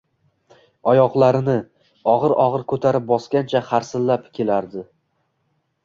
oyoqlarini, og’ir-og’ir ko’tarib bosgancha harsillab kelardi.